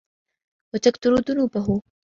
وَتَكْثُرَ ذُنُوبُهُ